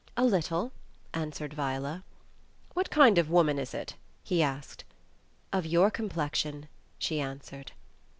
"A little," answered Viola. "What kind of woman is it?" he asked. "Of your complexion," she answered.